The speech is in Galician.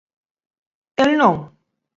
El non.